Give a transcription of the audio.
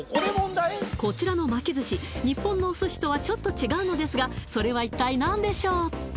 こちらの巻き寿司日本のお寿司とはちょっと違うのですがそれは一体何でしょう？